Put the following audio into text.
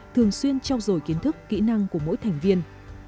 thường xuyên trao dồi kiến thức kỹ năng của mỗi thành viên